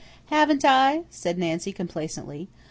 "Haven't I?" said Nancy complacently.